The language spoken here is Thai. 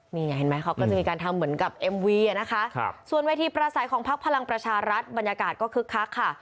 นี่ไงเห็นไหมเขาก็จะมีการทำเหมือนกับเอ็มวีนะคะส่วนเวทีประสัยของพักพลังประชารัฐบรรยากาศก็คึกคักค่ะ